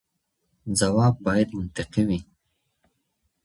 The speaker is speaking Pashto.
ځواب باید منطقي وي.